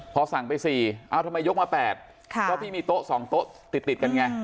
พอสั่งไป๔ทำไมยกมา๘ก็พี่มีโต๊ะ๒โต๊ะติดกันไง